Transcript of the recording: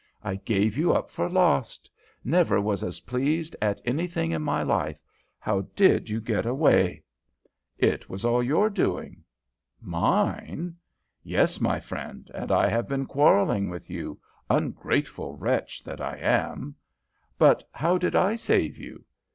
I gave you up for lost. Never was as pleased at anything in my life! How did you get away?" "It was all your doing." "Mine?" "Yes, my friend, and I have been quarrelling with you, ungrateful wretch that I am!" "But how did I save you?"